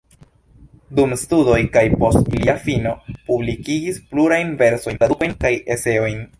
Dum studoj kaj post ilia fino publikigis plurajn versojn, tradukojn kaj eseojn.